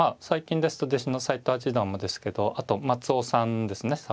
最近ですと弟子の斎藤八段もですけどあと松尾さんですね